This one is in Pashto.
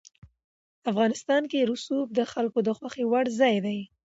افغانستان کې رسوب د خلکو د خوښې وړ ځای دی.